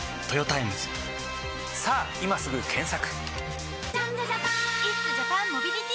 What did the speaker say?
さぁ今すぐ検索！